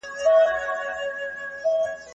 د فکر ځواک نړۍ لرزوي.